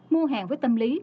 mua hàng với tâm lý